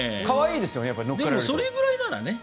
でも、それぐらいならね。